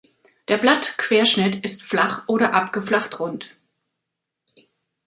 Der Blatt-Querschnitt ist flach oder abgeflacht rund.